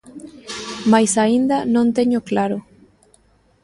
Mais aínda non teño claro.